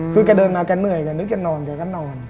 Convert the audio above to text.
คือก็เดินมาก็เหนื่อยก่อนนึกจะนอนก็นอน